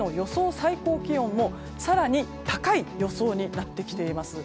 最高気温も更に高い予想になってきています。